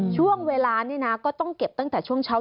ช่วงเวลานี่นะก็ต้องเก็บตั้งแต่ช่วงเช้า